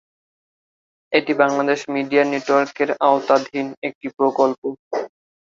এটি বাংলাদেশ মিডিয়া নেটওয়ার্কের আওতাধীন একটি প্রকল্প।